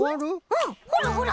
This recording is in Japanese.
うんほらほら！